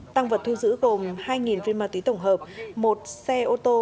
tăng vật thu giữ gồm hai viên ma túy tổng hợp một xe ô tô